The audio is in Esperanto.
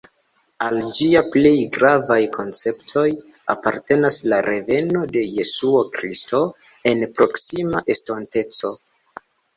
Al ĝia plej gravaj konceptoj apartenas la reveno de Jesuo Kristo en proksima estonteco.